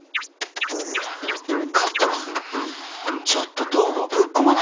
カットちょっと東郷ぶっこまないでよ